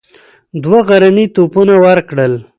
دوه غرني توپونه ورکړل.